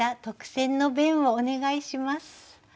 特選の弁をお願いします。